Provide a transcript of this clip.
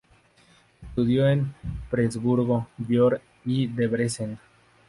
Estudió en Presburgo, Győr y Debrecen.